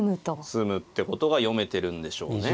詰むってことが読めてるんでしょうね。